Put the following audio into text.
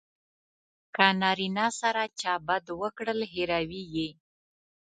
که نارینه سره چا بد وکړل هیروي یې.